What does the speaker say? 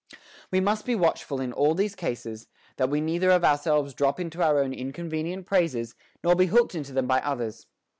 22. We must be watchful in all these cases, that we neither of ourselves drop into our own inconvenient praises, nor be hooked into them by others.